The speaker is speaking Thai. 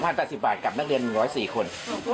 มันโอเคไหม๒พัน๘๐บาทกับนักเรียน๑๐๔คน